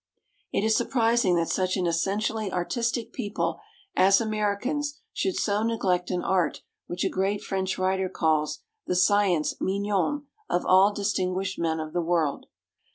It is surprising that such an essentially artistic people as Americans should so neglect an art which a great French writer calls the "science mignonne of all distinguished men of the world."